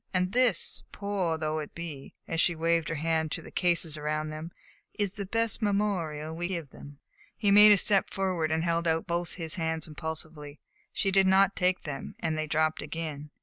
And this, poor though it be" and she waved her hand to the cases around them "is the best memorial we can give them." He made a step forward, and held out both his hands impulsively. She did not take them, and they dropped again.